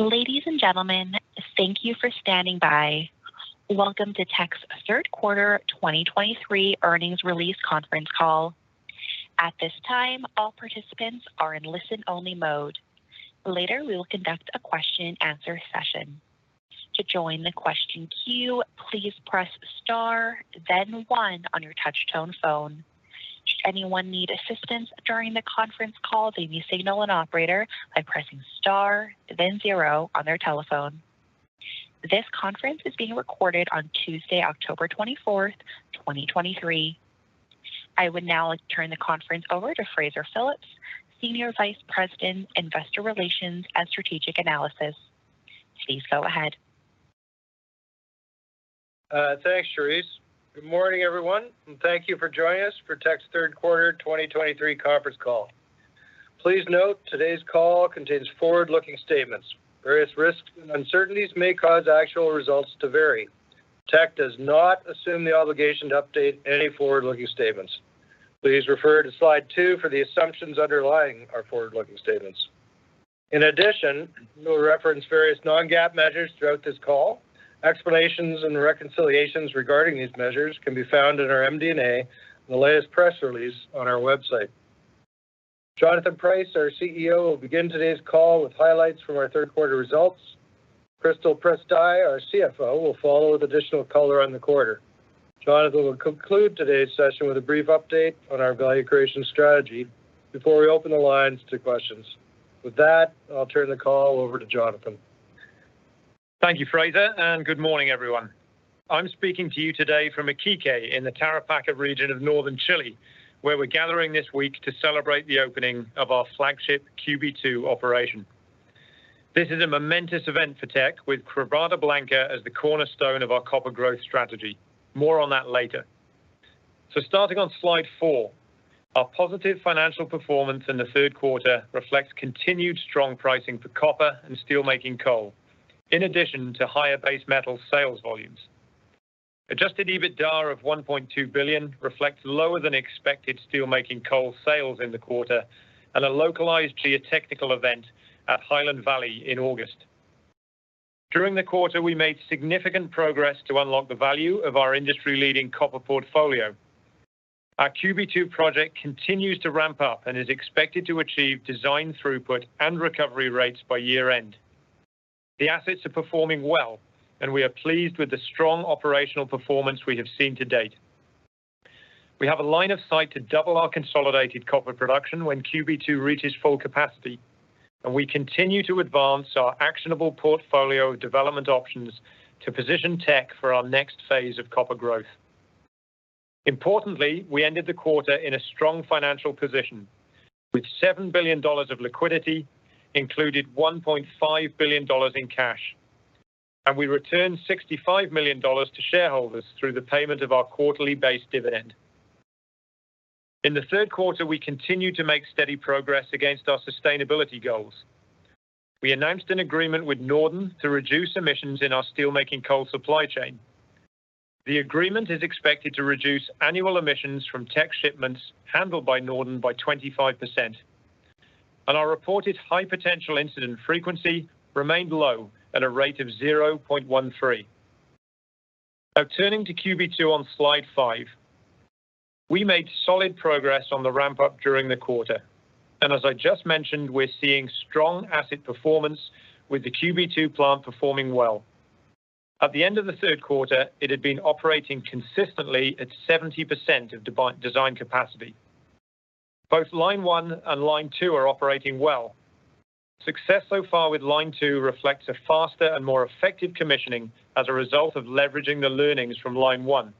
Ladies and gentlemen, thank you for standing by. Welcome to Teck's third quarter 2023 earnings release conference call. At this time, all participants are in listen-only mode. Later, we will conduct a question and answer session. To join the question queue, please press Star, then One on your touchtone phone. Should anyone need assistance during the conference call, they may signal an operator by pressing Star, then Zero on their telephone. This conference is being recorded on Tuesday, October 24, 2023. I would now like to turn the conference over to Fraser Phillips, Senior Vice President, Investor Relations and Strategic Analysis. Please go ahead. Thanks, Charisse. Good morning, everyone, and thank you for joining us for Teck's third quarter 2023 conference call. Please note, today's call contains forward-looking statements. Various risks and uncertainties may cause actual results to vary. Teck does not assume the obligation to update any forward-looking statements. Please refer to slide two for the assumptions underlying our forward-looking statements. In addition, we'll reference various non-GAAP measures throughout this call. Explanations and reconciliations regarding these measures can be found in our MD&A in the latest press release on our website. Jonathan Price, our CEO, will begin today's call with highlights from our third quarter results. Crystal Prystai, our CFO, will follow with additional color on the quarter. Jonathan will conclude today's session with a brief update on our value creation strategy before we open the lines to questions. With that, I'll turn the call over to Jonathan. Thank you, Fraser, and good morning, everyone. I'm speaking to you today from Iquique in the Tarapacá region of northern Chile, where we're gathering this week to celebrate the opening of our flagship QB2 operation. This is a momentous event for Teck, with Quebrada Blanca as the cornerstone of our copper growth strategy. More on that later. Starting on slide 4, our positive financial performance in the third quarter reflects continued strong pricing for copper and steelmaking coal, in addition to higher base metal sales volumes. Adjusted EBITDA of $1.2 billion reflects lower than expected steelmaking coal sales in the quarter and a localized geotechnical event at Highland Valley in August. During the quarter, we made significant progress to unlock the value of our industry-leading copper portfolio. Our QB2 project continues to ramp up and is expected to achieve design throughput and recovery rates by year-end. The assets are performing well, and we are pleased with the strong operational performance we have seen to date. We have a line of sight to double our consolidated copper production when QB2 reaches full capacity, and we continue to advance our actionable portfolio of development options to position Teck for our next phase of copper growth. Importantly, we ended the quarter in a strong financial position, with $7 billion of liquidity, including $1.5 billion in cash, and we returned $65 million to shareholders through the payment of our quarterly base dividend. In the third quarter, we continued to make steady progress against our sustainability goals. We announced an agreement with NORDEN to reduce emissions in our steelmaking coal supply chain. The agreement is expected to reduce annual emissions from Teck shipments handled by NORDEN by 25%, and our reported high potential incident frequency remained low at a rate of 0.13. Now, turning to QB2 on slide five, we made solid progress on the ramp-up during the quarter, and as I just mentioned, we're seeing strong asset performance with the QB2 plant performing well. At the end of the third quarter, it had been operating consistently at 70% of design capacity. Both line 1 and line 2 are operating well. Success so far with line 2 reflects a faster and more effective commissioning as a result of leveraging the learnings from line 1.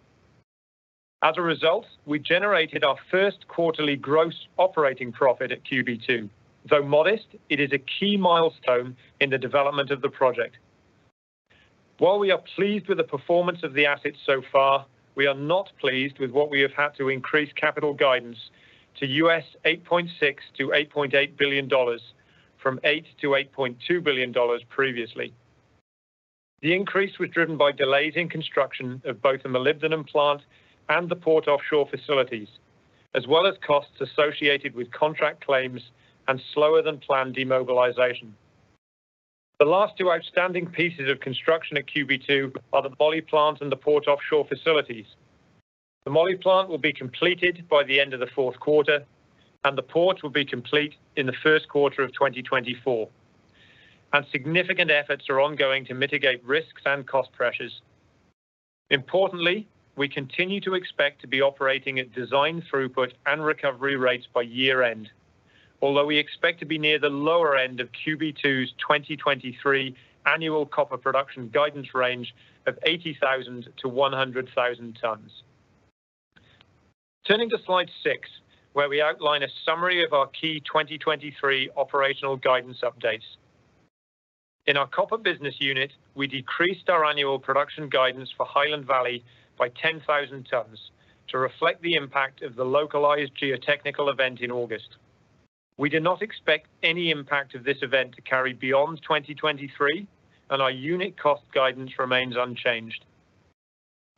As a result, we generated our first quarterly gross operating profit at QB2. Though modest, it is a key milestone in the development of the project. While we are pleased with the performance of the asset so far, we are not pleased with what we have had to increase capital guidance to $8.6 billion-$8.8 billion, from $8 billion-$8.2 billion previously. The increase was driven by delays in construction of both the molybdenum plant and the port offshore facilities, as well as costs associated with contract claims and slower-than-planned demobilization. The last two outstanding pieces of construction at QB2 are the moly plant and the port offshore facilities. The moly plant will be completed by the end of the fourth quarter, and the port will be complete in the first quarter of 2024, and significant efforts are ongoing to mitigate risks and cost pressures. Importantly, we continue to expect to be operating at design throughput and recovery rates by year-end, although we expect to be near the lower end of QB2's 2023 annual copper production guidance range of 80,000-100,000 tons. Turning to slide six, where we outline a summary of our key 2023 operational guidance updates. In our copper business unit, we decreased our annual production guidance for Highland Valley by 10,000 tons to reflect the impact of the localized geotechnical event in August. We do not expect any impact of this event to carry beyond 2023, and our unit cost guidance remains unchanged.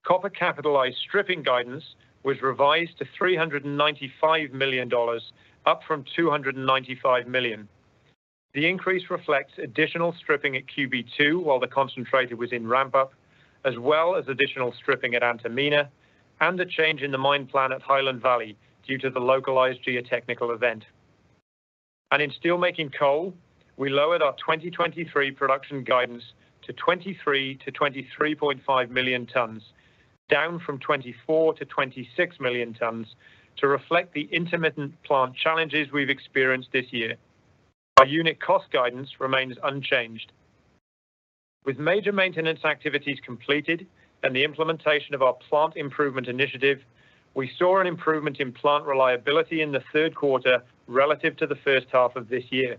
Copper capitalized stripping guidance was revised to $395 million, up from $295 million. The increase reflects additional stripping at QB2, while the concentrator was in ramp-up, as well as additional stripping at Antamina, and the change in the mine plan at Highland Valley due to the localized geotechnical event. In steelmaking coal, we lowered our 2023 production guidance to 23-23.5 million tonnes, down from 24-26 million tonnes, to reflect the intermittent plant challenges we've experienced this year. Our unit cost guidance remains unchanged. With major maintenance activities completed and the implementation of our plant improvement initiative, we saw an improvement in plant reliability in the third quarter relative to the first half of this year.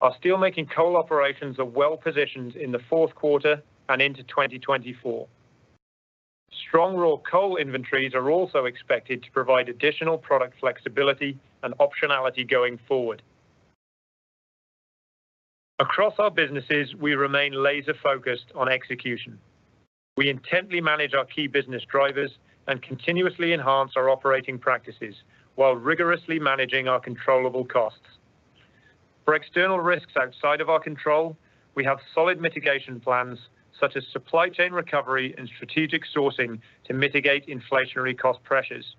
Our steelmaking coal operations are well-positioned in the fourth quarter and into 2024. Strong raw coal inventories are also expected to provide additional product flexibility and optionality going forward. Across our businesses, we remain laser-focused on execution. We intently manage our key business drivers and continuously enhance our operating practices while rigorously managing our controllable costs. For external risks outside of our control, we have solid mitigation plans, such as supply chain recovery and strategic sourcing, to mitigate inflationary cost pressures.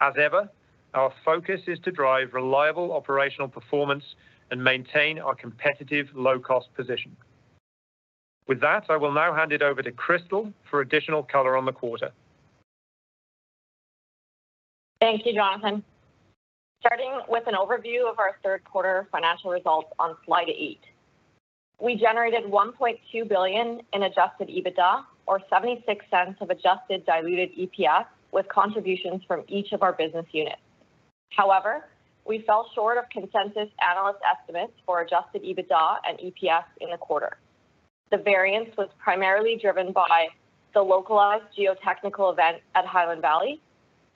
As ever, our focus is to drive reliable operational performance and maintain our competitive low-cost position. With that, I will now hand it over to Crystal for additional color on the quarter. Thank you, Jonathan. Starting with an overview of our third quarter financial results on slide eight. We generated $1.2 billion in Adjusted EBITDA, or $0.76 of adjusted diluted EPS, with contributions from each of our business units. However, we fell short of consensus analyst estimates for Adjusted EBITDA and EPS in the quarter. The variance was primarily driven by the localized geotechnical event at Highland Valley,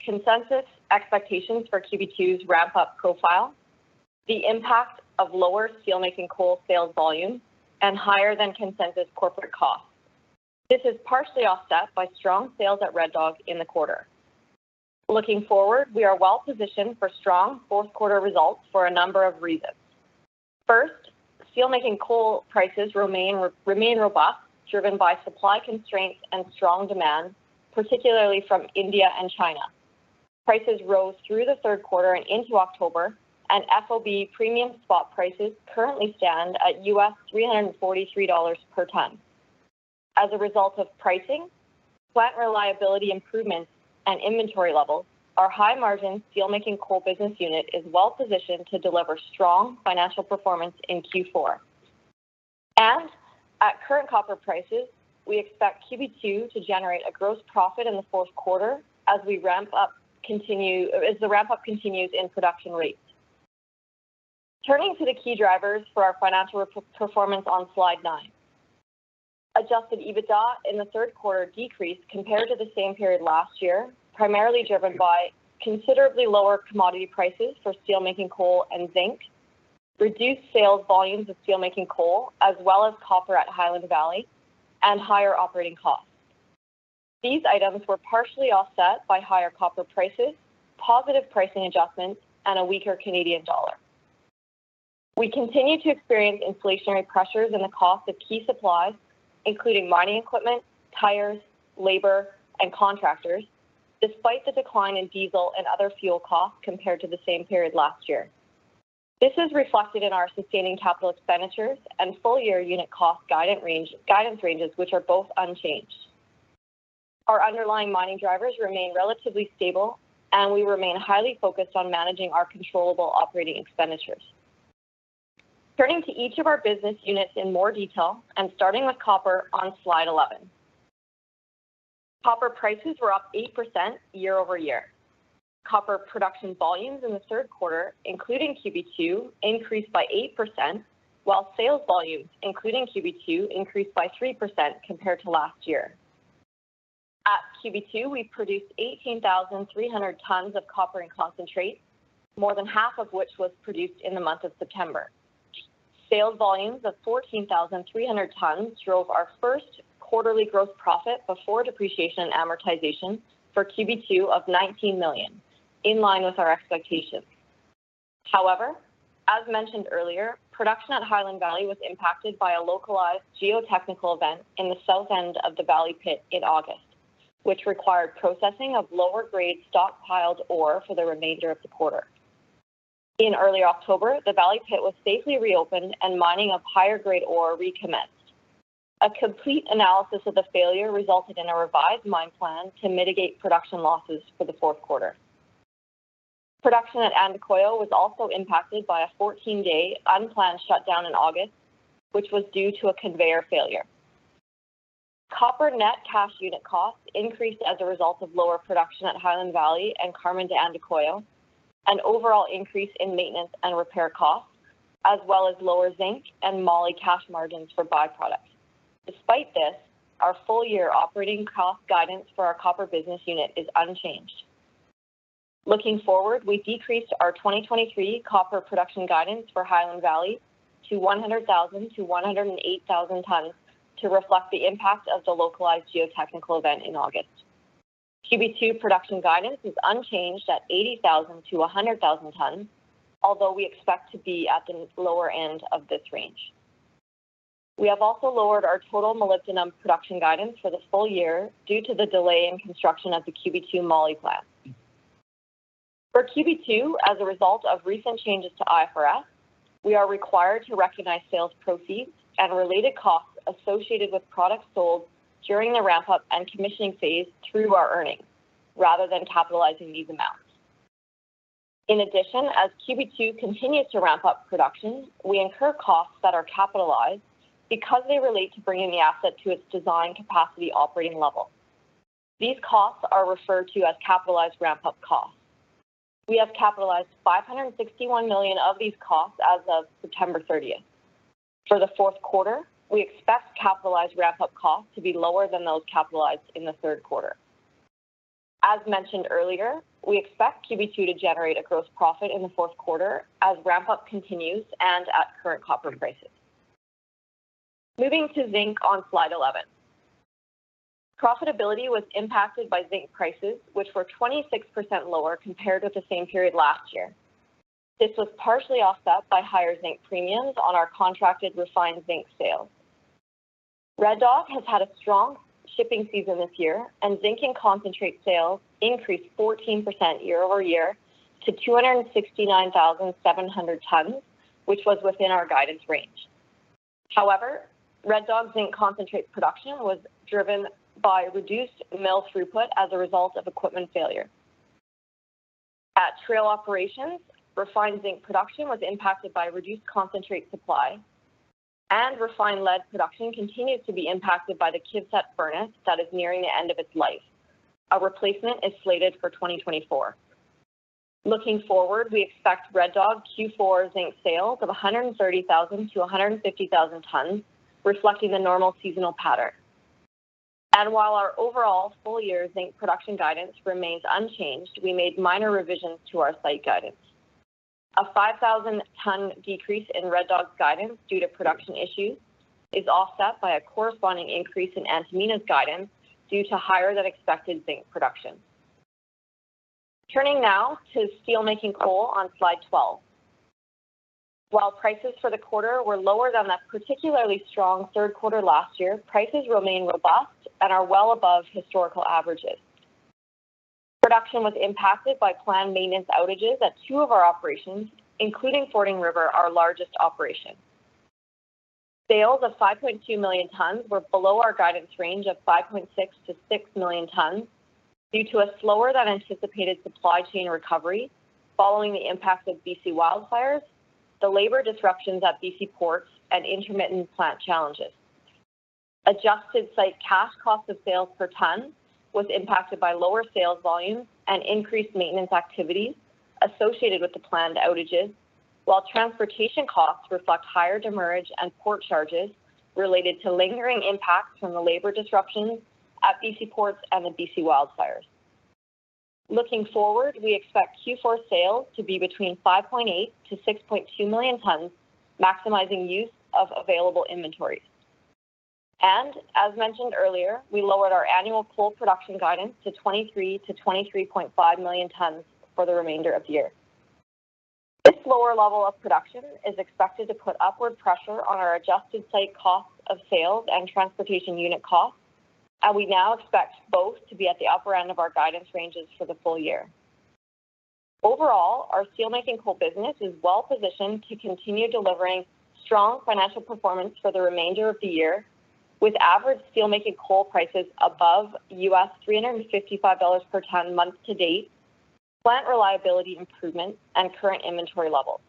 consensus expectations for QB2's ramp-up profile, the impact of lower steelmaking coal sales volume, and higher-than-consensus corporate costs. This is partially offset by strong sales at Red Dog in the quarter. Looking forward, we are well positioned for strong fourth quarter results for a number of reasons. First, steelmaking coal prices remain robust, driven by supply constraints and strong demand, particularly from India and China. Prices rose through the third quarter and into October, and FOB premium spot prices currently stand at $343 per tonne. As a result of pricing, plant reliability improvements, and inventory levels, our high-margin steelmaking coal business unit is well positioned to deliver strong financial performance in Q4. At current copper prices, we expect QB2 to generate a gross profit in the fourth quarter as the ramp-up continues in production rates. Turning to the key drivers for our financial performance on slide nine. Adjusted EBITDA in the third quarter decreased compared to the same period last year, primarily driven by considerably lower commodity prices for steelmaking coal and zinc, reduced sales volumes of steelmaking coal, as well as copper at Highland Valley, and higher operating costs. These items were partially offset by higher copper prices, positive pricing adjustments, and a weaker Canadian dollar. We continue to experience inflationary pressures in the cost of key supplies, including mining equipment, tires, labor, and contractors, despite the decline in diesel and other fuel costs compared to the same period last year. This is reflected in our sustaining capital expenditures and full-year unit cost guidance range, guidance ranges, which are both unchanged. Our underlying mining drivers remain relatively stable, and we remain highly focused on managing our controllable operating expenditures. Turning to each of our business units in more detail and starting with copper on slide 11. Copper prices were up 8% year-over-year. Copper production volumes in the third quarter, including QB2, increased by 8%, while sales volumes, including QB2, increased by 3% compared to last year. At QB2, we produced 18,300 tonnes of copper and concentrate, more than half of which was produced in the month of September. Sales volumes of 14,300 tonnes drove our first quarterly gross profit before depreciation and amortization for QB2 of $19 million, in line with our expectations. However, as mentioned earlier, production at Highland Valley was impacted by a localized geotechnical event in the south end of the Valley pit in August, which required processing of lower-grade stockpiled ore for the remainder of the quarter. In early October, the Valley pit was safely reopened, and mining of higher-grade ore recommenced. A complete analysis of the failure resulted in a revised mine plan to mitigate production losses for the fourth quarter. Production at Andacollo was also impacted by a 14-day unplanned shutdown in August, which was due to a conveyor failure. Copper net cash unit costs increased as a result of lower production at Highland Valley and Carmen de Andacollo, an overall increase in maintenance and repair costs, as well as lower zinc and moly cash margins for byproducts. Despite this, our full-year operating cost guidance for our copper business unit is unchanged. Looking forward, we decreased our 2023 copper production guidance for Highland Valley to 100,000-108,000 tons to reflect the impact of the localized geotechnical event in August. QB2 production guidance is unchanged at 80,000-100,000 tons, although we expect to be at the lower end of this range. We have also lowered our total molybdenum production guidance for the full year due to the delay in construction of the QB2 Moly plant. For QB2, as a result of recent changes to IFRS, we are required to recognize sales proceeds and related costs associated with products sold during the ramp-up and commissioning phase through our earnings, rather than capitalizing these amounts. In addition, as QB2 continues to ramp up production, we incur costs that are capitalized because they relate to bringing the asset to its design capacity operating level. These costs are referred to as capitalized ramp-up costs. We have capitalized $561 million of these costs as of September thirtieth. For the fourth quarter, we expect capitalized ramp-up costs to be lower than those capitalized in the third quarter. As mentioned earlier, we expect QB2 to generate a gross profit in the fourth quarter as ramp-up continues and at current copper prices. Moving to zinc on slide 11. Profitability was impacted by zinc prices, which were 26% lower compared with the same period last year. This was partially offset by higher zinc premiums on our contracted refined zinc sales. Red Dog has had a strong shipping season this year, and zinc and concentrate sales increased 14% year-over-year to 269,700 tons, which was within our guidance range. However, Red Dog zinc concentrate production was driven by reduced mill throughput as a result of equipment failure. At Trail Operations, refined zinc production was impacted by reduced concentrate supply, and refined lead production continues to be impacted by the KIVCET furnace that is nearing the end of its life. A replacement is slated for 2024. Looking forward, we expect Red Dog Q4 zinc sales of 130,000-150,000 tons, reflecting the normal seasonal pattern. While our overall full-year zinc production guidance remains unchanged, we made minor revisions to our site guidance. A 5,000-ton decrease in Red Dog's guidance due to production issues is offset by a corresponding increase in Antamina's guidance due to higher than expected zinc production. Turning now to steelmaking coal on slide 12. While prices for the quarter were lower than that particularly strong third quarter last year, prices remain robust and are well above historical averages. Production was impacted by planned maintenance outages at two of our operations, including Fording River, our largest operation. Sales of 5.2 million tons were below our guidance range of 5.6 million-6 million tons due to a slower than anticipated supply chain recovery following the impact of BC wildfires, the labor disruptions at BC ports, and intermittent plant challenges. Adjusted site cash cost of sales per ton was impacted by lower sales volumes and increased maintenance activities associated with the planned outages, while transportation costs reflect higher demurrage and port charges related to lingering impacts from the labor disruptions at BC ports and the BC wildfires. Looking forward, we expect Q4 sales to be between 5.8milion-6.2 million tons, maximizing use of available inventories. We lowered our annual coal production guidance to 23million-23.5 million tons for the remainder of the year. This lower level of production is expected to put upward pressure on our adjusted site cost of sales and transportation unit costs, and we now expect both to be at the upper end of our guidance ranges for the full year. Overall, our steelmaking coal business is well positioned to continue delivering strong financial performance for the remainder of the year, with average steelmaking coal prices above $355 per ton month to date, plant reliability improvements, and current inventory levels.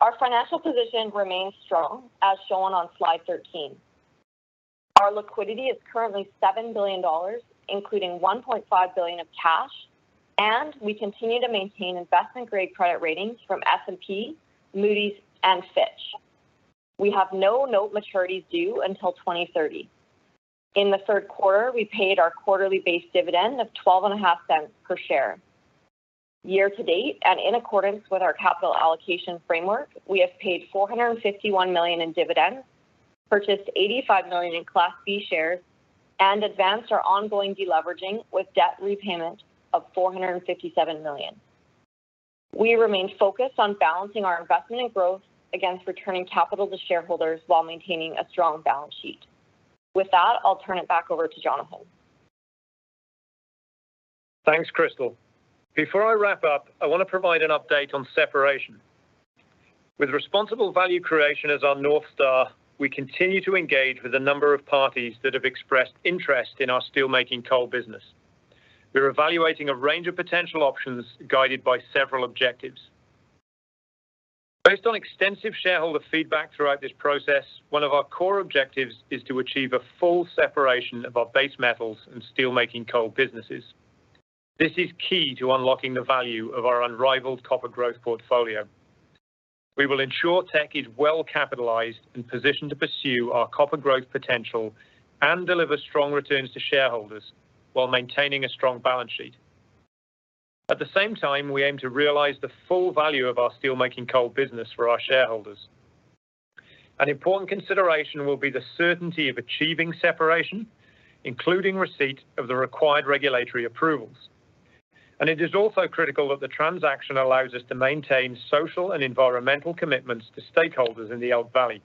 Our financial position remains strong, as shown on slide 13. Our liquidity is currently $7 billion, including $1.5 billion of cash, and we continue to maintain investment-grade credit ratings from S&P, Moody's, and Fitch. We have no note maturities due until 2030. In the third quarter, we paid our quarterly base dividend of $0.125 per share. Year to date, and in accordance with our capital allocation framework, we have paid $451 million in dividends, purchased $85 million in Class B shares, and advanced our ongoing deleveraging with debt repayment of $457 million. We remain focused on balancing our investment in growth against returning capital to shareholders while maintaining a strong balance sheet. With that, I'll turn it back over to Jonathan. Thanks, Crystal. Before I wrap up, I want to provide an update on separation. With responsible value creation as our Northstar, we continue to engage with a number of parties that have expressed interest in our steelmaking coal business. We're evaluating a range of potential options guided by several objectives. Based on extensive shareholder feedback throughout this process, one of our core objectives is to achieve a full separation of our base metals and steelmaking coal businesses. This is key to unlocking the value of our unrivaled copper growth portfolio. We will ensure Teck is well-capitalized and positioned to pursue our copper growth potential and deliver strong returns to shareholders while maintaining a strong balance sheet. At the same time, we aim to realize the full value of our steelmaking coal business for our shareholders. An important consideration will be the certainty of achieving separation, including receipt of the required regulatory approvals, and it is also critical that the transaction allows us to maintain social and environmental commitments to stakeholders in the Elk Valley.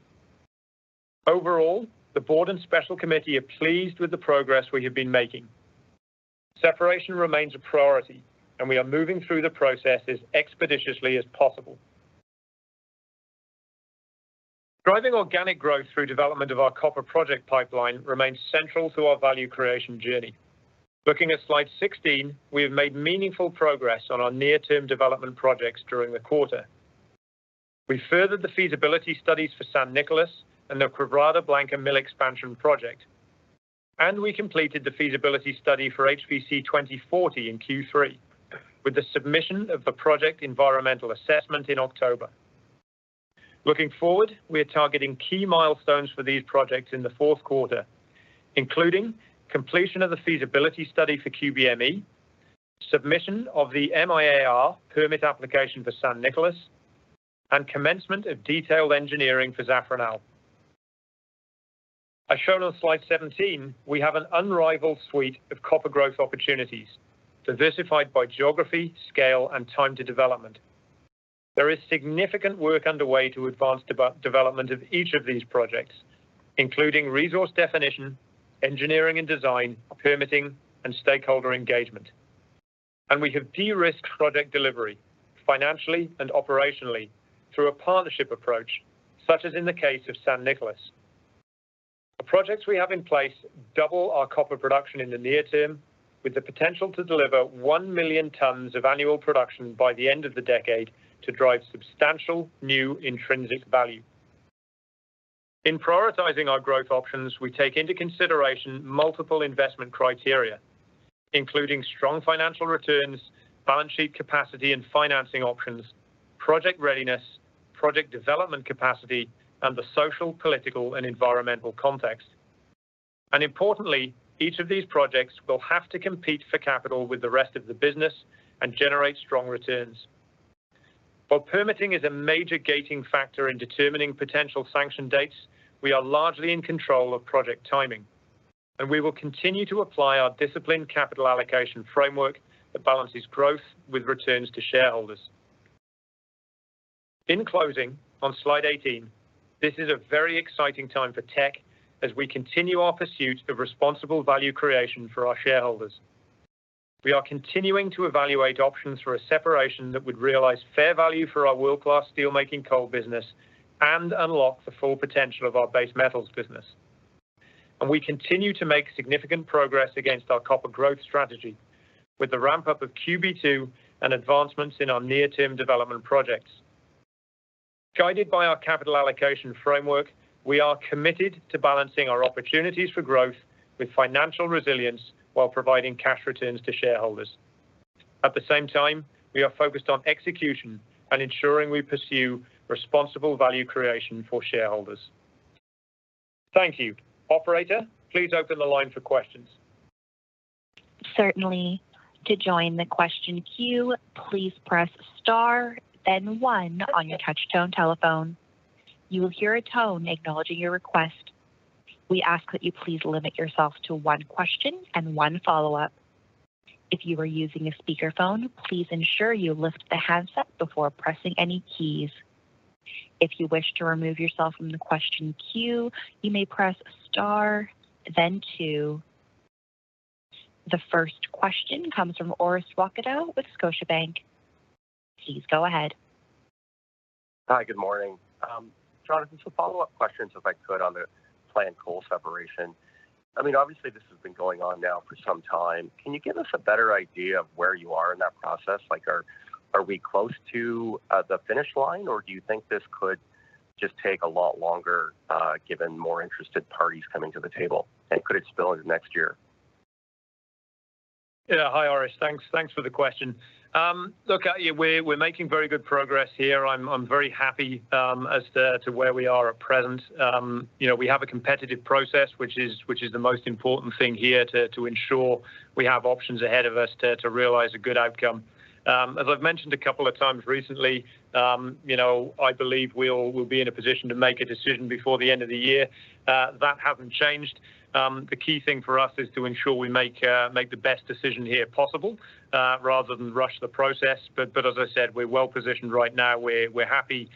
Overall, the board and special committee are pleased with the progress we have been making. Separation remains a priority, and we are moving through the processes expeditiously as possible. Driving organic growth through development of our copper project pipeline remains central to our value creation journey. Looking at slide 16, we have made meaningful progress on our near-term development projects during the quarter. We furthered the feasibility studies for San Nicolás and the Quebrada Blanca Mill Expansion project, and we completed the feasibility study for HVC 2040 in Q3, with the submission of the project environmental assessment in October. Looking forward, we are targeting key milestones for these projects in the fourth quarter, including completion of the feasibility study for QBME, submission of the MIA-R permit application for San Nicolás, and commencement of detailed engineering for Zafranal. As shown on slide 17, we have an unrivaled suite of copper growth opportunities, diversified by geography, scale, and time to development. There is significant work underway to advance development of each of these projects, including resource definition, engineering and design, permitting, and stakeholder engagement. And we have de-risked project delivery financially and operationally through a partnership approach, such as in the case of San Nicolás. The projects we have in place double our copper production in the near term, with the potential to deliver 1 million tons of annual production by the end of the decade to drive substantial new intrinsic value. In prioritizing our growth options, we take into consideration multiple investment criteria, including strong financial returns, balance sheet capacity and financing options, project readiness, project development capacity, and the social, political, and environmental context. And importantly, each of these projects will have to compete for capital with the rest of the business and generate strong returns. While permitting is a major gating factor in determining potential sanction dates, we are largely in control of project timing, and we will continue to apply our disciplined capital allocation framework that balances growth with returns to shareholders. In closing, on slide 18, this is a very exciting time for Teck as we continue our pursuit of responsible value creation for our shareholders. We are continuing to evaluate options for a separation that would realize fair value for our world-class steelmaking coal business and unlock the full potential of our base metals business. We continue to make significant progress against our copper growth strategy, with the ramp-up of QB2 and advancements in our near-term development projects. Guided by our capital allocation framework, we are committed to balancing our opportunities for growth with financial resilience while providing cash returns to shareholders. At the same time, we are focused on execution and ensuring we pursue responsible value creation for shareholders. Thank you. Operator, please open the line for questions. Certainly. To join the question queue, please press star, then one on your touchtone telephone. You will hear a tone acknowledging your request. We ask that you please limit yourself to one question and one follow-up. If you are using a speakerphone, please ensure you lift the handset before pressing any keys. If you wish to remove yourself from the question queue, you may press star, then two. The first question comes from Orest Wowkodaw with Scotiabank. Please go ahead. Hi, good morning. Jonathan, so follow-up questions, if I could, on the planned coal separation. I mean, obviously this has been going on now for some time. Can you give us a better idea of where you are in that process? Like, are we close to the finish line, or do you think this could just take a lot longer, given more interested parties coming to the table, and could it spill into next year? Yeah. Hi, Orest. Thanks, thanks for the question. Look, yeah, we're, we're making very good progress here. I'm, I'm very happy, as to, to where we are at present. You know, we have a competitive process, which is, which is the most important thing here to, to ensure we have options ahead of us to, to realize a good outcome. As I've mentioned a couple of times recently, you know, I believe we'll, we'll be in a position to make a decision before the end of the year. That hasn't changed. The key thing for us is to ensure we make, make the best decision here possible, rather than rush the process. But, but as I said, we're well positioned right now. We're happy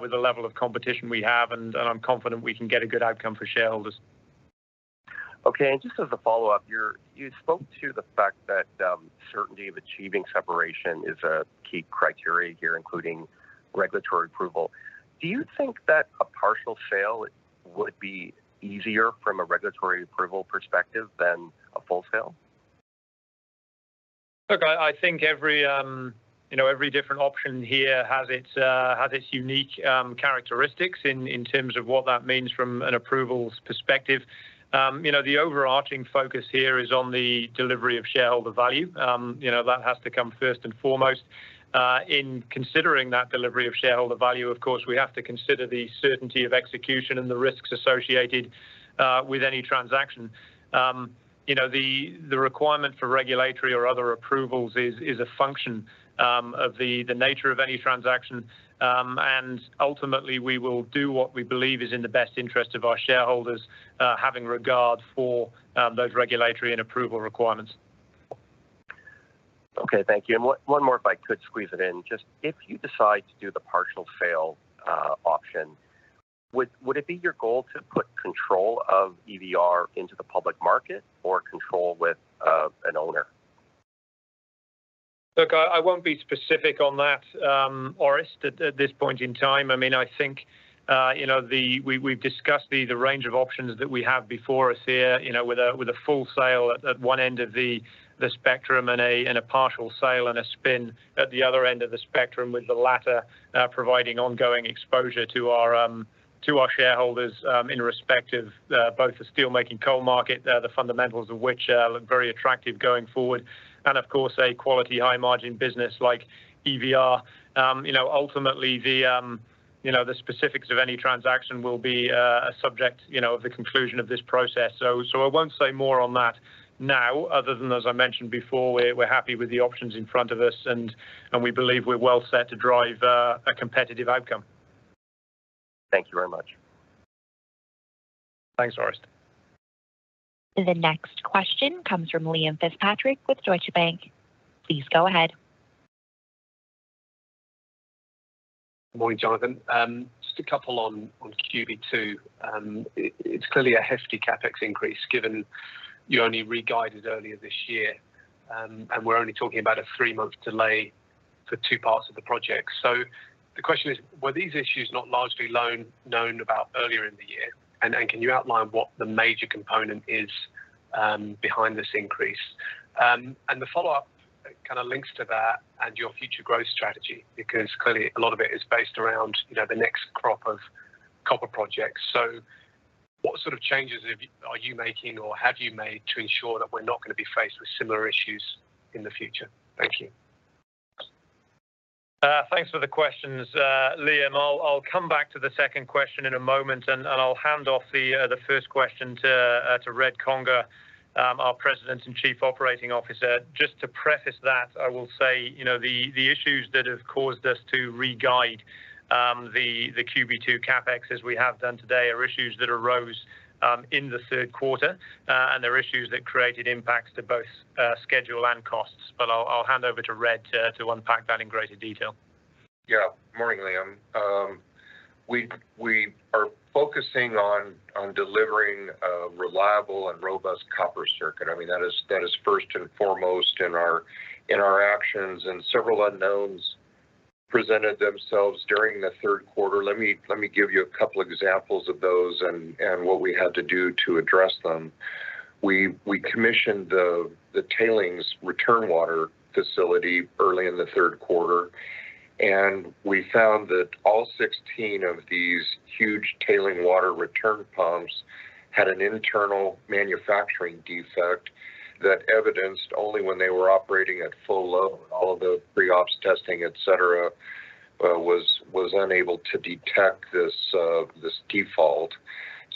with the level of competition we have, and I'm confident we can get a good outcome for shareholders. Okay, and just as a follow-up, you spoke to the fact that, certainty of achieving separation is a key criteria here, including regulatory approval. Do you think that a partial sale would be easier from a regulatory approval perspective than a full sale? Look, I think every, you know, every different option here has its unique characteristics in terms of what that means from an approvals perspective. You know, the overarching focus here is on the delivery of shareholder value. You know, that has to come first and foremost. In considering that delivery of shareholder value, of course, we have to consider the certainty of execution and the risks associated with any transaction. You know, the requirement for regulatory or other approvals is a function of the nature of any transaction. And ultimately, we will do what we believe is in the best interest of our shareholders, having regard for those regulatory and approval requirements. Okay, thank you. And one more if I could squeeze it in. Just, if you decide to do the partial sale option, would it be your goal to put control of EVR into the public market or control with an owner? Look, I won't be specific on that, Orest, at this point in time. I mean, I think, you know, we've discussed the range of options that we have before us here, you know, with a full sale at one end of the spectrum, and a partial sale and a spin at the other end of the spectrum, with the latter providing ongoing exposure to our shareholders in respect of both the steelmaking coal market, the fundamentals of which look very attractive going forward, and of course, a quality, high-margin business like EVR. You know, ultimately, the specifics of any transaction will be a subject of the conclusion of this process. So, I won't say more on that now, other than as I mentioned before, we're happy with the options in front of us, and we believe we're well set to drive a competitive outcome. Thank you very much. Thanks, Orest. The next question comes from Liam Fitzpatrick with Deutsche Bank. Please go ahead. Good morning, Jonathan. Just a couple on QB2. It's clearly a hefty CapEx increase, given you only reguided earlier this year. And we're only talking about a three-month delay for two parts of the project. So the question is, were these issues not largely long-known about earlier in the year? And then, can you outline what the major component is behind this increase? And the follow-up kind of links to that and your future growth strategy, because clearly a lot of it is based around, you know, the next crop of copper projects. So what sort of changes are you making or have you made to ensure that we're not gonna be faced with similar issues in the future? Thank you. Thanks for the questions, Liam. I'll, I'll come back to the second question in a moment, and then I'll hand off the, the first question to, to Red Conger, our President and Chief Operating Officer. Just to preface that, I will say, you know, the, the issues that have caused us to reguide, the, the QB2 CapEx, as we have done today, are issues that arose, in the third quarter, and they're issues that created impacts to both, schedule and costs. But I'll, I'll hand over to Red to, to unpack that in greater detail. Yeah. Morning, Liam. We are focusing on delivering a reliable and robust copper circuit. I mean, that is first and foremost in our actions, and several unknowns presented themselves during the third quarter. Let me give you a couple examples of those and what we had to do to address them. We commissioned the tailings return water facility early in the third quarter, and we found that all 16 of these huge tailings water return pumps had an internal manufacturing defect that evidenced only when they were operating at full load. All of the pre-ops testing, et cetera, was unable to detect this defect.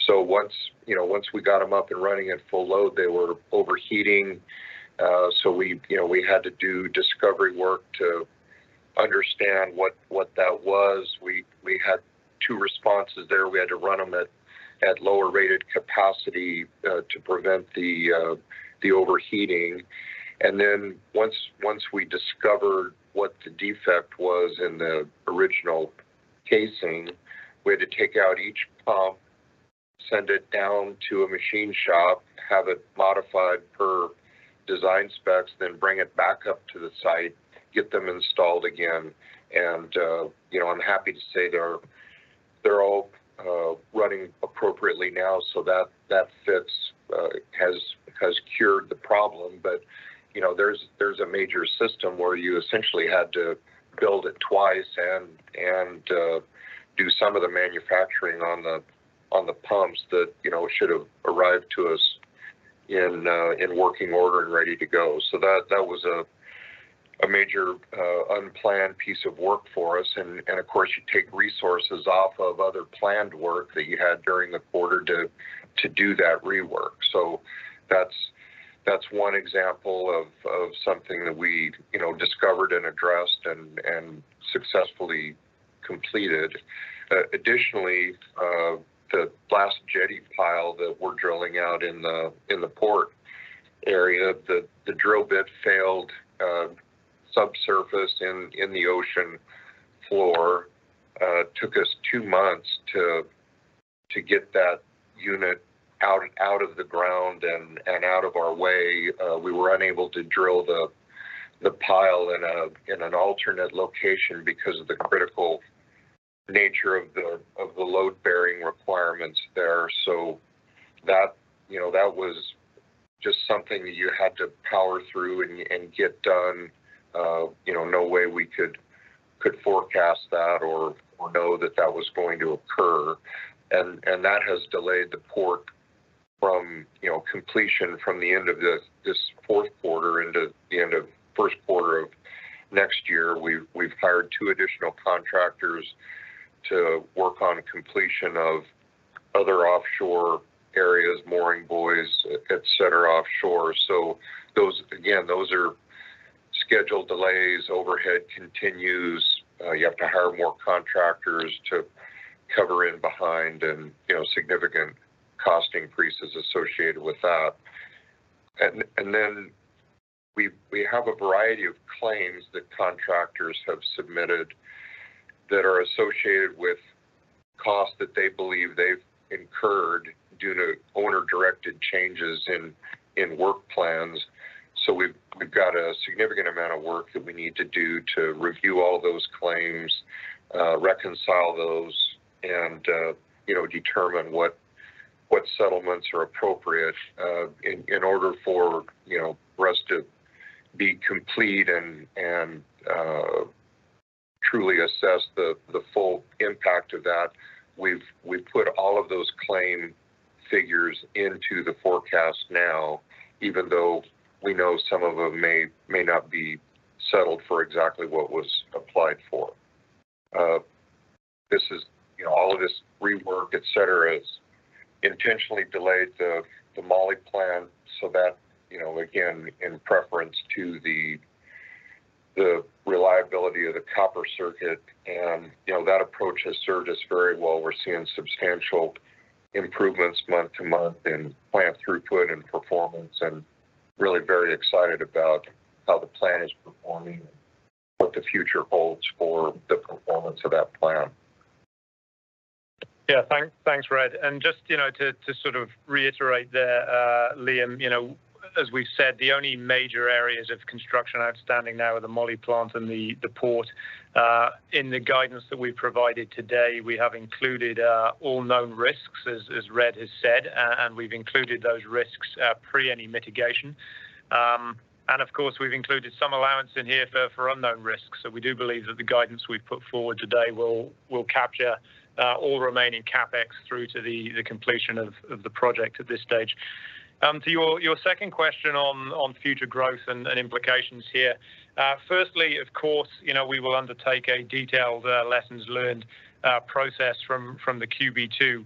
So once, you know, once we got them up and running at full load, they were overheating. So we, you know, we had to do discovery work to understand what that was. We had two responses there. We had to run them at lower rated capacity to prevent the overheating. And then once we discovered what the defect was in the original casing, we had to take out each pump, send it down to a machine shop, have it modified per design specs, then bring it back up to the site, get them installed again. And, you know, I'm happy to say they're all running appropriately now, so that fix has cured the problem. You know, there's a major system where you essentially had to build it twice and do some of the manufacturing on the pumps that, you know, should have arrived to us in working order and ready to go. So that was a major unplanned piece of work for us. And of course, you take resources off of other planned work that you had during the quarter to do that rework. So that's one example of something that we, you know, discovered and addressed and successfully completed. Additionally, the last jetty pile that we're drilling out in the port area, the drill bit failed subsurface in the ocean floor. It took us two months to get that unit out of the ground and out of our way. We were unable to drill the pile in an alternate location because of the critical nature of the load-bearing requirements there. So that, you know, that was just something that you had to power through and get done. You know, no way we could forecast that or know that that was going to occur. And that has delayed the port from, you know, completion from the end of this fourth quarter into the end of first quarter of next year. We've hired two additional contractors to work on completion of other offshore areas, mooring buoys, et cetera, offshore. So those, again, those are schedule delays, overhead continues. You have to hire more contractors to cover in behind and, you know, significant cost increases associated with that. And then we have a variety of claims that contractors have submitted that are associated with costs that they believe they've incurred due to owner-directed changes in work plans. So we've got a significant amount of work that we need to do to review all those claims, reconcile those, and, you know, determine what settlements are appropriate, in order for, you know, for us to be complete and, truly assess the full impact of that. We've put all of those claim figures into the forecast now, even though we know some of them may not be settled for exactly what was applied for. This is, you know, all of this rework, et cetera, has intentionally delayed the moly plant so that, you know, again, in preference to the reliability of the copper circuit, and, you know, that approach has served us very well. We're seeing substantial improvements month-to-month in plant throughput and performance, and really very excited about how the plant is performing and what the future holds for the performance of that plant. Yeah, thanks, Red. And just, you know, to sort of reiterate there, Liam, you know, as we've said, the only major areas of construction outstanding now are the moly plant and the port. In the guidance that we've provided today, we have included all known risks, as Red has said, and we've included those risks pre any mitigation. And of course, we've included some allowance in here for unknown risks. So we do believe that the guidance we've put forward today will capture all remaining CapEx through to the completion of the project at this stage. To your second question on future growth and implications here. Firstly, of course, you know, we will undertake a detailed lessons learned process from the QB2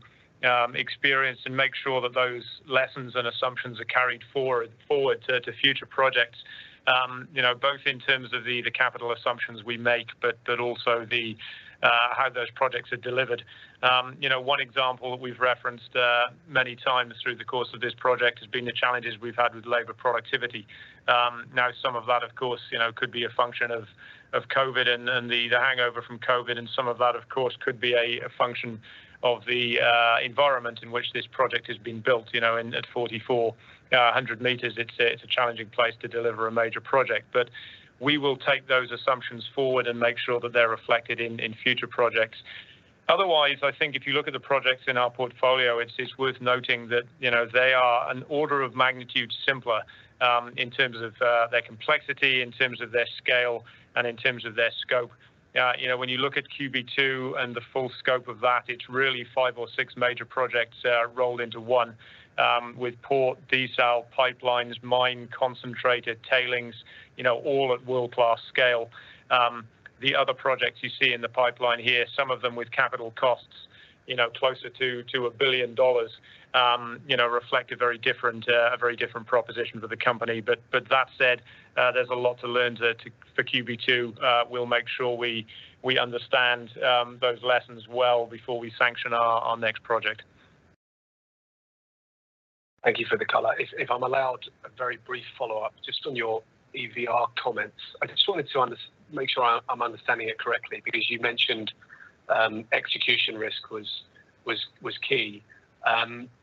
experience, and make sure that those lessons and assumptions are carried forward to future projects, you know, both in terms of the capital assumptions we make, but also the how those projects are delivered. You know, one example that we've referenced many times through the course of this project has been the challenges we've had with labor productivity. Now, some of that, of course, you know, could be a function of COVID and the hangover from COVID, and some of that, of course, could be a function of the environment in which this project has been built. You know, at 4,400 m, it's a challenging place to deliver a major project. But we will take those assumptions forward and make sure that they're reflected in future projects. Otherwise, I think if you look at the projects in our portfolio, it's worth noting that, you know, they are an order of magnitude simpler in terms of their complexity, in terms of their scale, and in terms of their scope. You know, when you look at QB2 and the full scope of that, it's really five or six major projects rolled into one, with port, diesel, pipelines, mine, concentrated tailings, you know, all at world-class scale. The other projects you see in the pipeline here, some of them with capital costs, you know, closer to $1 billion, you know, reflect a very different, a very different proposition for the company. But that said, there's a lot to learn for QB2. We'll make sure we understand those lessons well before we sanction our next project. Thank you for the color. If I'm allowed a very brief follow-up, just on your EVR comments. I just wanted to make sure I'm understanding it correctly, because you mentioned execution risk was key.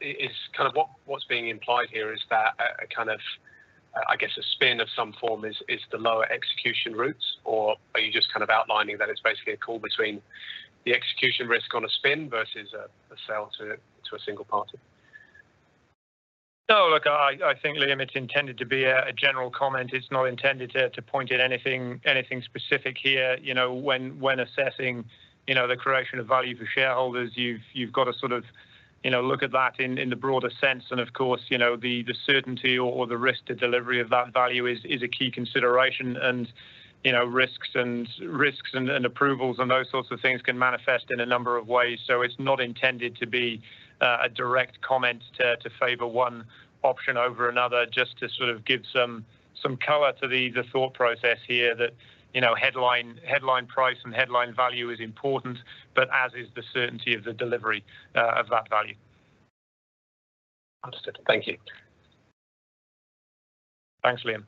Is kind of what what's being implied here, is that a kind of, I guess, a spin of some form is the lower execution risks, or are you just kind of outlining that it's basically a call between the execution risk on a spin versus a sale to a single party? No, look, I think, Liam, it's intended to be a general comment. It's not intended to point at anything specific here. You know, when assessing, you know, the creation of value for shareholders, you've got to sort of, you know, look at that in the broader sense. And of course, you know, the certainty or the risk to delivery of that value is a key consideration. And, you know, risks and approvals, and those sorts of things can manifest in a number of ways. So it's not intended to be a direct comment to favor one option over another, just to sort of give some color to the thought process here that, you know, headline price and headline value is important, but as is the certainty of the delivery of that value. Understood. Thank you. Thanks, Liam.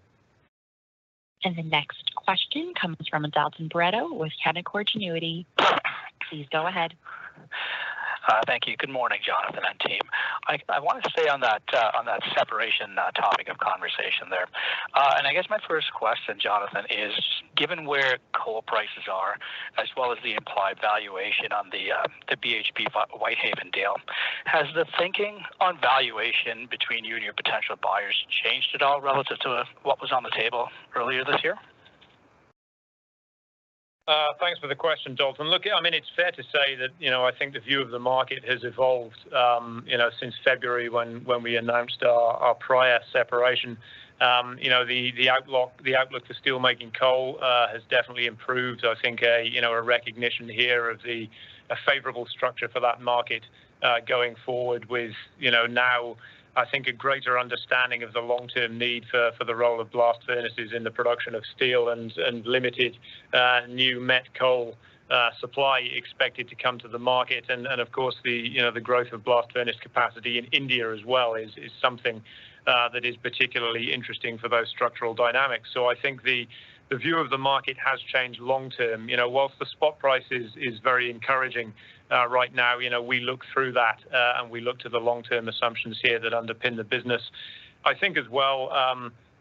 The next question comes from Dalton Baretto with Canaccord Genuity. Please go ahead. Thank you. Good morning, Jonathan and team. I wanted to stay on that separation topic of conversation there. And I guess my first question, Jonathan, is given where coal prices are, as well as the implied valuation on the BHP-Whitehaven deal, has the thinking on valuation between you and your potential buyers changed at all relative to what was on the table earlier this year? Thanks for the question, Dalton. Look, I mean, it's fair to say that, you know, I think the view of the market has evolved, you know, since February when we announced our prior separation. You know, the outlook for steelmaking coal has definitely improved. I think, you know, a recognition here of a favorable structure for that market going forward with, you know, now I think a greater understanding of the long-term need for the role of blast furnaces in the production of steel and limited new met coal supply expected to come to the market. And of course, you know, the growth of blast furnace capacity in India as well is something that is particularly interesting for those structural dynamics. So I think the view of the market has changed long term. You know, while the spot price is very encouraging right now, you know, we look through that and we look to the long-term assumptions here that underpin the business. I think as well,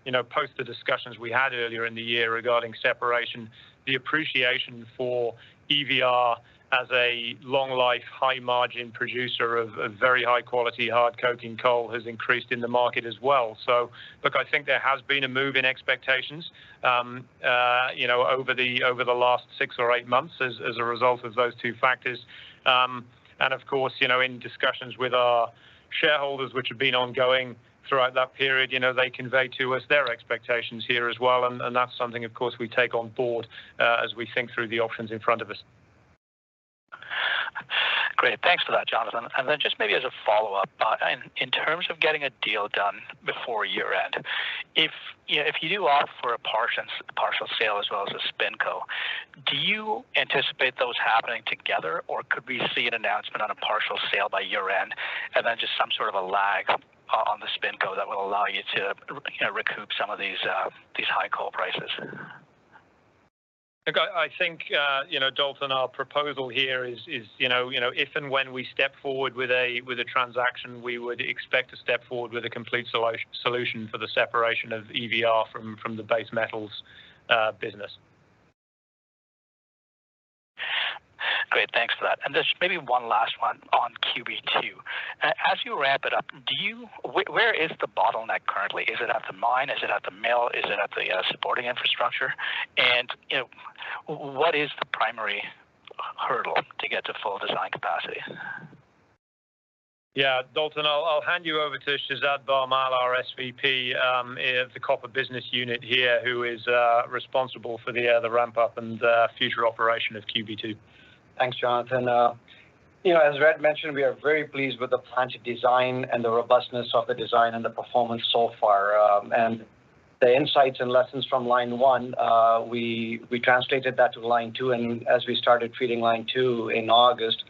you know, post the discussions we had earlier in the year regarding separation, the appreciation for EVR as a long-life, high-margin producer of very high-quality hard coking coal has increased in the market as well. So look, I think there has been a move in expectations, you know, over the last six or eight months as a result of those two factors. And of course, you know, in discussions with our shareholders, which have been ongoing throughout that period, you know, they convey to us their expectations here as well, and that's something, of course, we take on board, as we think through the options in front of us. Great. Thanks for that, Jonathan. And then just maybe as a follow-up, in terms of getting a deal done before year-end, if, you know, if you do opt for a partial sale as well as a spin co, do you anticipate those happening together, or could we see an announcement on a partial sale by year-end, and then just some sort of a lag on the spin co that will allow you to, you know, recoup some of these, these high coal prices? Look, I, I think, you know, Dalton, our proposal here is, is, you know, you know, if and when we step forward with a, with a transaction, we would expect to step forward with a complete solution for the separation of EVR from, from the base metals business. Great, thanks for that. And just maybe one last one on QB2. As you ramp it up, do you... where is the bottleneck currently? Is it at the mine? Is it at the mill? Is it at the, supporting infrastructure? And, you know, what is the primary hurdle to get to full design capacity? Yeah, Dalton, I'll hand you over to Shehzad Bharmal, our SVP of the copper business unit here, who is responsible for the ramp-up and future operation of QB2. Thanks, Jonathan. You know, as Red mentioned, we are very pleased with the plant design and the robustness of the design and the performance so far. And the insights and lessons from line one, we translated that to line two, and as we started treating line two in August,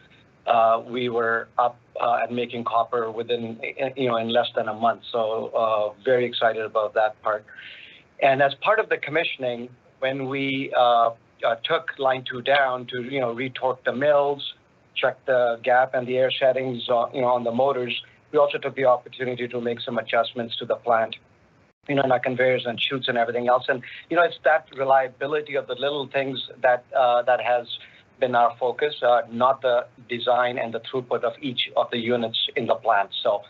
we were up and making copper within you know in less than a month, so very excited about that part. And as part of the commissioning, when we took line two down to you know retorque the mills, check the gap and the air sheddings you know on the motors, we also took the opportunity to make some adjustments to the plant, you know, like conveyors and chutes and everything else. You know, it's that reliability of the little things that has been our focus, not the design and the throughput of each of the units in the plant. So,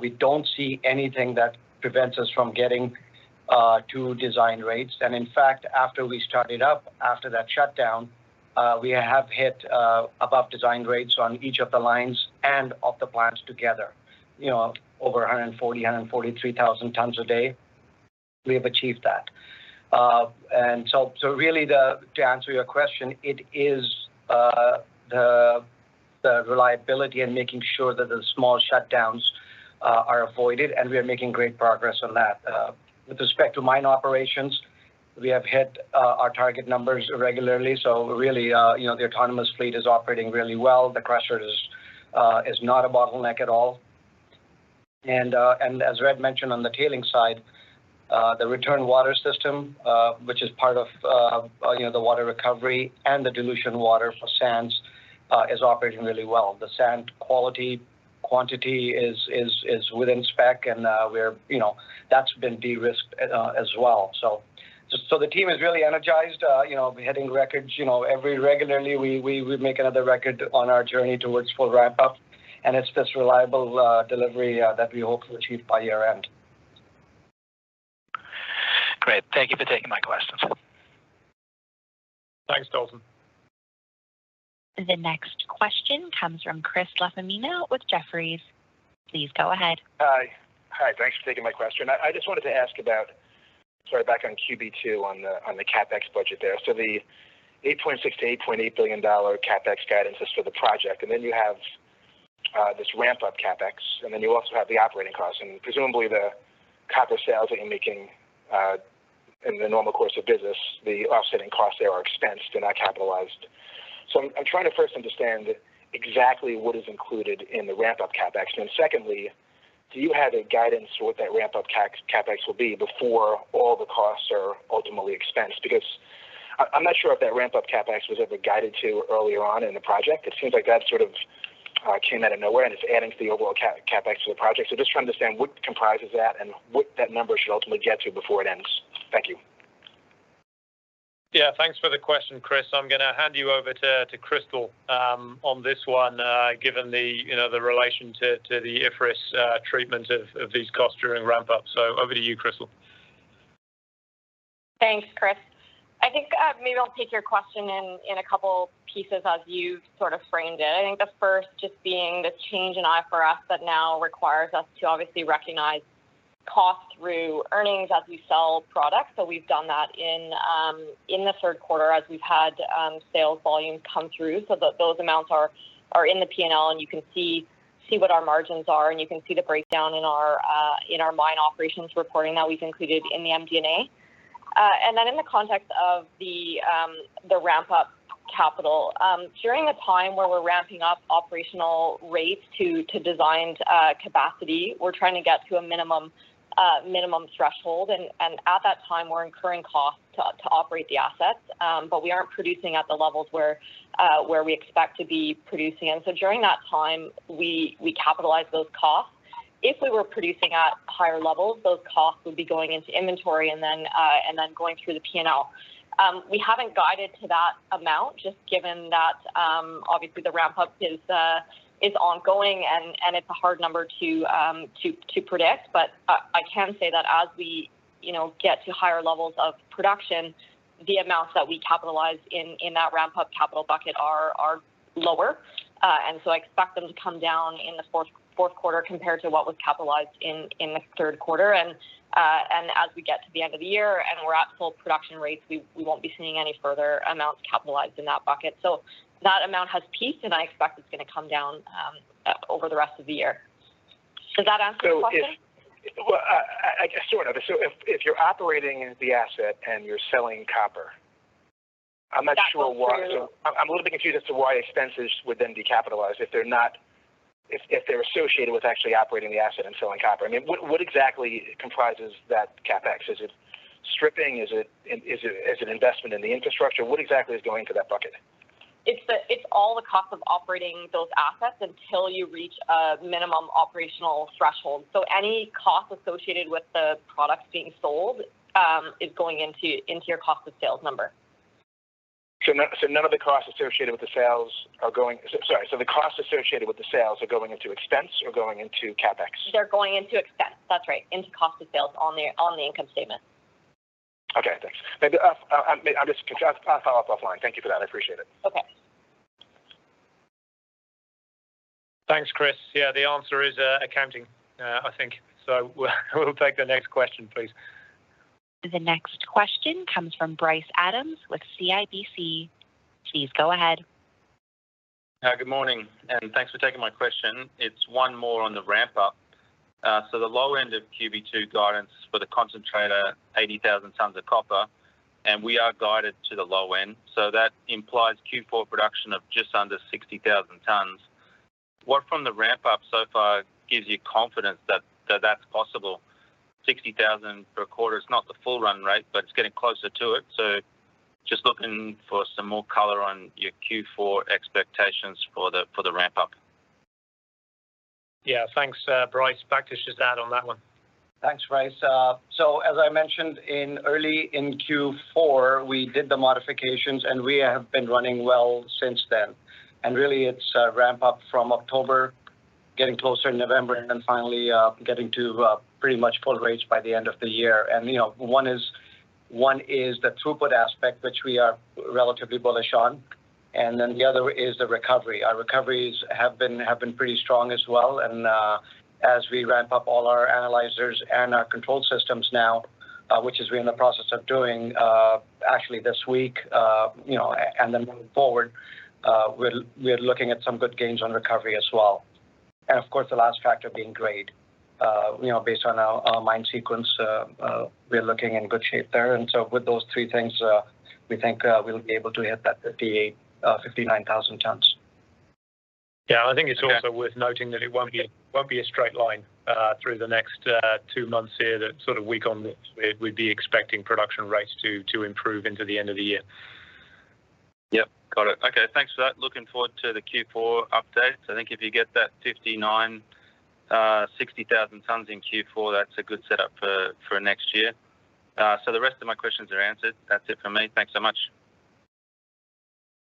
we don't see anything that prevents us from getting to design rates. And in fact, after we started up, after that shutdown, we have hit above design rates on each of the lines and of the plants together. You know, over 140, 143,000 tons a day, we have achieved that. And so really, to answer your question, it is the reliability and making sure that the small shutdowns are avoided, and we are making great progress on that. With respect to mine operations, we have hit our target numbers regularly, so really, you know, the autonomous fleet is operating really well. The crusher is not a bottleneck at all. And as Red mentioned on the tailings side, the return water system, which is part of, you know, the water recovery and the dilution water for sands, is operating really well. The sand quality, quantity is within spec, and you know, that's been de-risked as well. So the team is really energized. You know, we're hitting records, you know, very regularly, we make another record on our journey towards full ramp-up, and it's this reliable delivery that we hope to achieve by year-end. Great. Thank you for taking my questions. Thanks, Dalton. The next question comes from Chris LaFemina with Jefferies. Please go ahead. Hi. Hi, thanks for taking my question. I, I just wanted to ask about, sorry, back on QB2, on the, on the CapEx budget there. So the $8.6-$8.8 billion CapEx guidance is for the project, and then you have this ramp-up CapEx, and then you also have the operating costs. And presumably, the copper sales that you're making in the normal course of business, the offsetting costs there are expensed and not capitalized. So I'm, I'm trying to first understand exactly what is included in the ramp-up CapEx. And then secondly, do you have a guidance for what that ramp-up CapEx, CapEx will be before all the costs are ultimately expensed? Because... I, I'm not sure if that ramp-up CapEx was ever guided to earlier on in the project. It seems like that sort of came out of nowhere, and it's adding to the overall CapEx to the project. So just to understand what comprises that and what that number should ultimately get to before it ends? Thank you. Yeah, thanks for the question, Chris. I'm gonna hand you over to Crystal on this one, given the, you know, the relation to the IFRS treatment of these costs during ramp-up. So over to you, Crystal. Thanks, Chris. I think maybe I'll take your question in a couple pieces as you sort of framed it. I think the first just being the change in IFRS that now requires us to obviously recognize cost through earnings as we sell products. So we've done that in the third quarter as we've had sales volume come through. So those amounts are in the P&L, and you can see what our margins are, and you can see the breakdown in our mine operations reporting that we've included in the MD&A. And then in the context of the ramp-up capital, during a time where we're ramping up operational rates to designed capacity, we're trying to get to a minimum threshold. At that time, we're incurring costs to operate the assets. But we aren't producing at the levels where we expect to be producing. And so during that time, we capitalize those costs. If we were producing at higher levels, those costs would be going into inventory and then going through the P&L. We haven't guided to that amount, just given that obviously the ramp-up is ongoing, and it's a hard number to predict. But I can say that as we, you know, get to higher levels of production, the amounts that we capitalize in that ramp-up capital bucket are lower. And so I expect them to come down in the fourth quarter compared to what was capitalized in the third quarter. As we get to the end of the year and we're at full production rates, we won't be seeing any further amounts capitalized in that bucket. So that amount has peaked, and I expect it's gonna come down over the rest of the year. Does that answer the question? Well, I guess sort of. So if you're operating the asset and you're selling copper, I'm not sure why That goes through- I'm a little bit confused as to why expenses would then be capitalized if they're not... if they're associated with actually operating the asset and selling copper. I mean, what exactly comprises that CapEx? Is it stripping? Is it investment in the infrastructure? What exactly is going into that bucket? It's all the costs of operating those assets until you reach a minimum operational threshold. So any cost associated with the products being sold is going into your cost of sales number. Sorry, so the costs associated with the sales are going into expense or going into CapEx? They're going into expense. That's right, into cost of sales on the income statement. Okay, thanks. Maybe I'll just follow up offline. Thank you for that. I appreciate it. Okay. Thanks, Chris. Yeah, the answer is, accounting, I think. So we'll take the next question, please. The next question comes from Bryce Adams with CIBC. Please go ahead. Good morning, and thanks for taking my question. It's one more on the ramp-up. So the low end of Q2 guidance for the concentrator, 80,000 tons of copper, and we are guided to the low end, so that implies Q4 production of just under 60,000 tons. What from the ramp-up so far gives you confidence that that's possible? Sixty thousand per quarter is not the full run rate, but it's getting closer to it, so just looking for some more color on your Q4 expectations for the ramp-up. Yeah. Thanks, Bryce. Back to Shehzad on that one. Thanks, Bryce. So as I mentioned in early in Q4, we did the modifications, and we have been running well since then. And really, it's a ramp-up from October, getting closer in November, and then finally getting to pretty much full rates by the end of the year. And, you know, one is, one is the throughput aspect, which we are relatively bullish on, and then the other is the recovery. Our recoveries have been, have been pretty strong as well, and as we ramp up all our analyzers and our control systems now, which is we're in the process of doing, actually, this week, you know, and then moving forward, we're, we're looking at some good gains on recovery as well. And of course, the last factor being grade. You know, based on our mine sequence, we're looking in good shape there. And so with those three things, we think we'll be able to hit that 58,000-59,000 tons. Yeah, I think it's also- Okay... worth noting that it won't be, it won't be a straight line through the next two months here, that sort of week on week, we'd be expecting production rates to improve into the end of the year. Yep, got it. Okay, thanks for that. Looking forward to the Q4 update. So I think if you get that 59,000-60,000 tons in Q4, that's a good setup for next year. So the rest of my questions are answered. That's it for me. Thanks so much.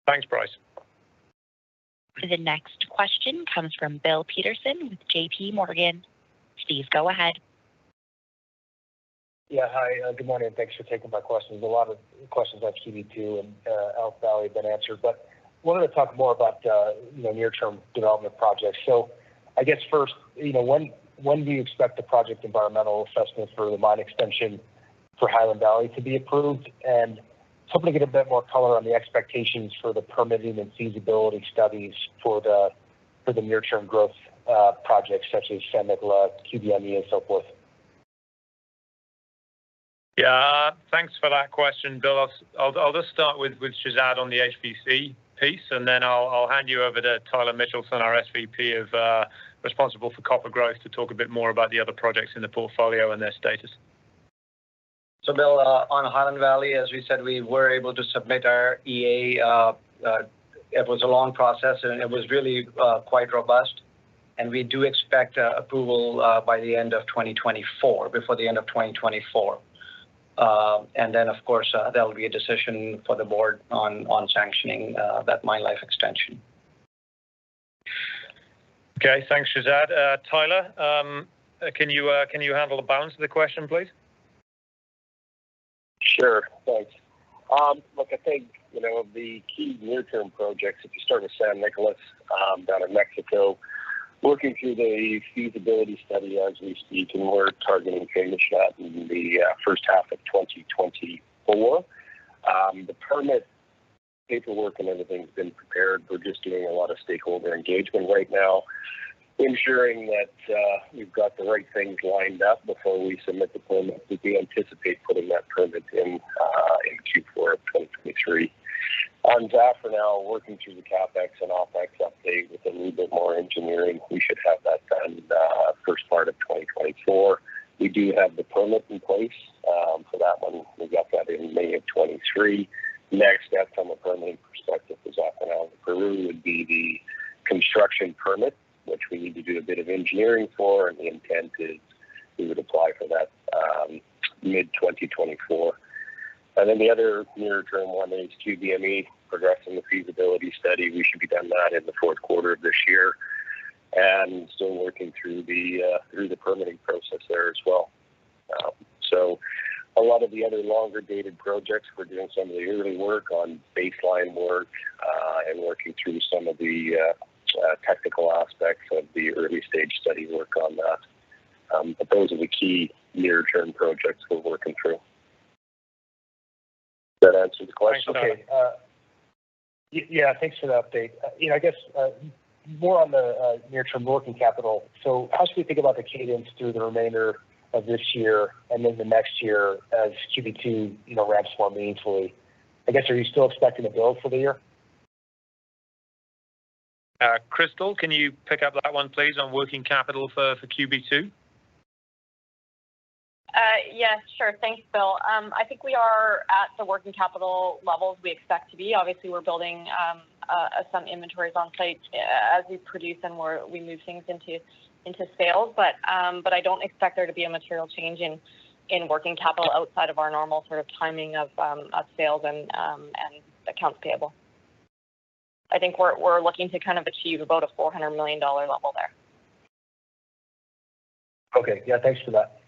Thanks, Bryce. The next question comes from Bill Peterson with JPMorgan. Please go ahead. Yeah, hi, good morning, and thanks for taking my questions. A lot of questions on Q2 and Elk Valley have been answered, but wanted to talk more about, you know, near-term development projects. So I guess first, you know, when do you expect the project environmental assessment for the mine extension for Highland Valley to be approved? And hopefully get a bit more color on the expectations for the permitting and feasibility studies for the near-term growth projects, such as San Nicolás, QBME, and so forth. Yeah, thanks for that question, Bill. I'll just start with Shehzad on the HVC piece, and then I'll hand you over to Tyler Mitchelson, our SVP of responsible for copper growth, to talk a bit more about the other projects in the portfolio and their status. So Bill, on Highland Valley, as we said, we were able to submit our EA. It was a long process, and it was really quite robust, and we do expect approval by the end of 2024, before the end of 2024. And then, of course, there will be a decision for the board on sanctioning that mine life extension. Okay, thanks, Shehzad. Tyler, can you handle the balance of the question, please? Sure, thanks. Look, I think, you know, the key near-term projects, if you start with San Nicolás, down in Mexico, working through the feasibility study as we speak, and we're targeting a shot in the first half of 2024. The permit paperwork and everything's been prepared. We're just doing a lot of stakeholder engagement right now, ensuring that, we've got the right things lined up before we submit the permit. We do anticipate putting that permit in, in Q4 of 2023. On Zafranal now, working through the CapEx and OpEx update with a little bit more engineering, we should have that done, first part of 2024. We do have the permit in place, for that one. We got that in May of 2023. Next step from a permitting perspective is often on Peru would be the construction permit, which we need to do a bit of engineering for, and the intent is we would apply for that, mid-2024. And then the other near-term one is QBME, progressing the feasibility study. We should be done that in the fourth quarter of this year and still working through the through the permitting process there as well. So a lot of the other longer-dated projects, we're doing some of the early work on baseline work, and working through some of the technical aspects of the early-stage study work on that. But those are the key near-term projects we're working through. Does that answer the question? Okay. Yeah, thanks for the update. You know, I guess, more on the near-term working capital. So how should we think about the cadence through the remainder of this year and then the next year as QB2, you know, ramps more meaningfully? I guess, are you still expecting to build for the year? Crystal, can you pick up that one, please, on working capital for QB2? Yes, sure. Thanks, Bill. I think we are at the working capital levels we expect to be. Obviously, we're building some inventories on site as we produce and we move things into sales. But I don't expect there to be a material change in working capital outside of our normal sort of timing of sales and accounts payable. I think we're looking to kind of achieve about a $400 million level there. Okay. Yeah, thanks for that.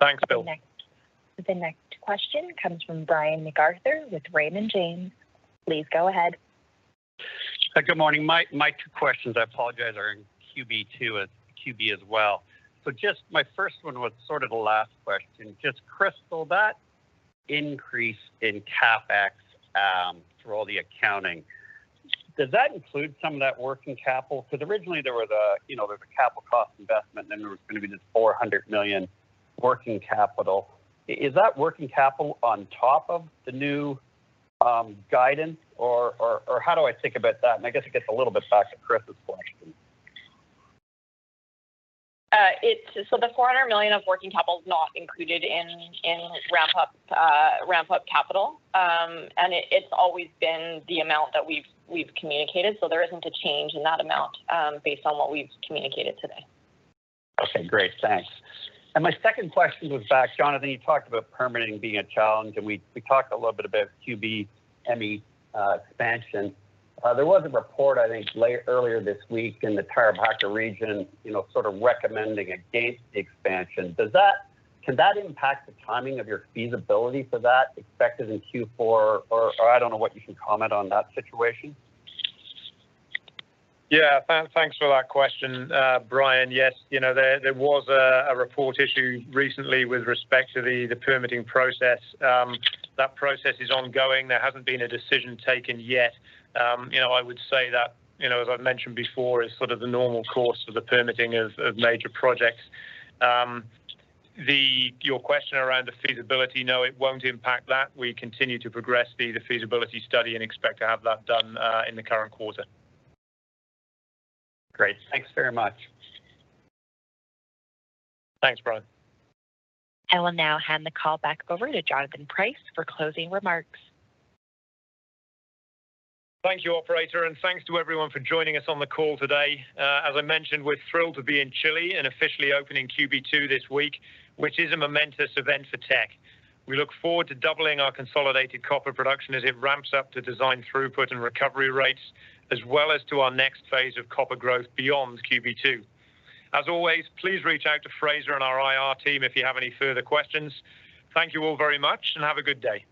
Thanks, Bill. The next question comes from Brian MacArthur with Raymond James. Please go ahead. Good morning. My two questions, I apologize, are in QB2 and QB as well. So just my first one was sort of the last question. Just, Crystal, that increase in CapEx through all the accounting, does that include some of that working capital? Because originally there was a, you know, there was a capital cost investment, then there was gonna be this $400 million working capital. Is that working capital on top of the new guidance, or how do I think about that? And I guess it gets a little bit back to Chris' question. It's so the $400 million of working capital is not included in ramp up, ramp up capital. And it's always been the amount that we've communicated, so there isn't a change in that amount, based on what we've communicated today. Okay, great. Thanks. My second question was back. Jonathan, you talked about permitting being a challenge, and we talked a little bit about QBME expansion. There was a report, I think, late earlier this week in the Tarapacá region, you know, sort of recommending a great expansion. Does that- can that impact the timing of your feasibility for that expected in Q4? Or, I don't know what you can comment on that situation. Yeah, thanks for that question, Brian. Yes, you know, there was a report issued recently with respect to the permitting process. That process is ongoing. There hasn't been a decision taken yet. You know, I would say that, you know, as I've mentioned before, it's sort of the normal course of the permitting of major projects. Your question around the feasibility, no, it won't impact that. We continue to progress the feasibility study and expect to have that done in the current quarter. Great. Thanks very much. Thanks, Brian. I will now hand the call back over to Jonathan Price for closing remarks. Thank you, operator, and thanks to everyone for joining us on the call today. As I mentioned, we're thrilled to be in Chile and officially opening QB2 this week, which is a momentous event for Teck. We look forward to doubling our consolidated copper production as it ramps up to design throughput and recovery rates, as well as to our next phase of copper growth beyond QB2. As always, please reach out to Fraser and our IR team if you have any further questions. Thank you all very much, and have a good day.